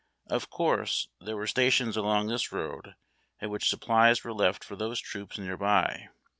Of course, there were stations along this road at which supplies were left for those troops near by.